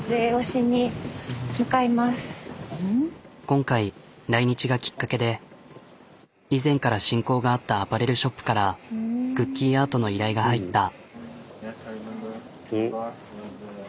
今回来日がきっかけで以前から親交があったアパレルショップからクッキーアートの依頼が入った。